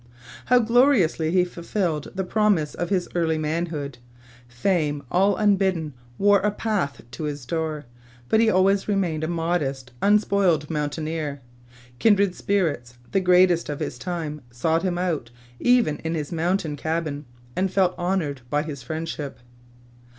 How gloriously he fulfilled the promise of his early manhood! Fame, all unbidden, wore a path to his door, but he always remained a modest, unspoiled mountaineer. Kindred spirits, the greatest of his time, sought him out, even in his mountain cabin, and felt honored by his friendship.